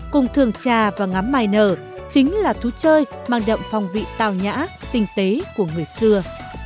cùng thường trà và ngắm mài nở chính là thú chơi mang đậm phong vị tào nhã tinh tế của người xưa